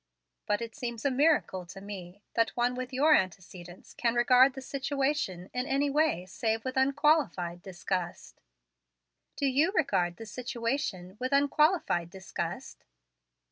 "But it seems a miracle to me that one with your antecedents can regard the situation in any way save with unqualified disgust." "Do you regard the situation with 'unqualified disgust'?"